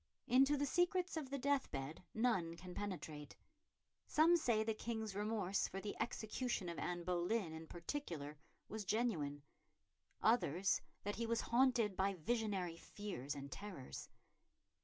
Into the secrets of the deathbed none can penetrate. Some say the King's remorse, for the execution of Anne Boleyn in particular, was genuine; others that he was haunted by visionary fears and terrors.